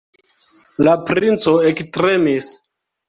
La princo ektremis.